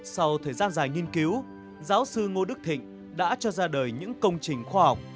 sau thời gian dài nghiên cứu giáo sư ngô đức thịnh đã cho ra đời những công trình khoa học